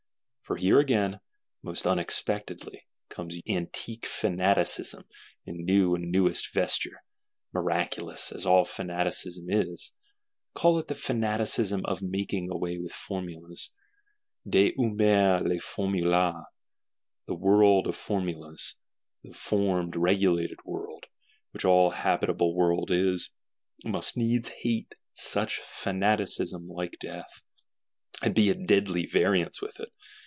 For here again, most unexpectedly, comes antique Fanaticism in new and newest vesture; miraculous, as all Fanaticism is. Call it the Fanaticism of "making away with formulas, de humer les formules." The world of formulas, the formed regulated world, which all habitable world is,—must needs hate such Fanaticism like death; and be at deadly variance with it.